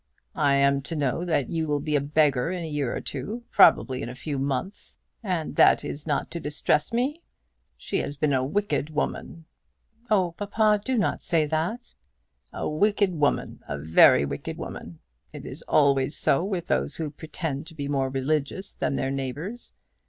I am to know that you will be a beggar in a year or two, probably in a few months, and that is not to distress me! She has been a wicked woman!" "Oh, papa, do not say that." "A wicked woman. A very wicked woman. It is always so with those who pretend to be more religious than their neighbours.